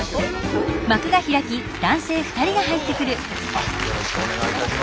あっよろしくお願いいたします。